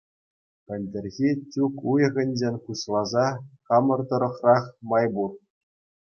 Пӗлтӗрхи чӳк уйӑхӗнчен пуҫласа хамӑр тӑрӑхрах май пур.